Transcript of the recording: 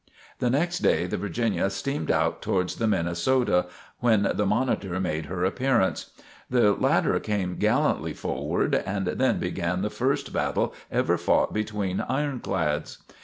The next day the "Virginia" steamed out towards the "Minnesota," when the "Monitor" made her appearance. The latter came gallantly forward, and then began the first battle ever fought between ironclads.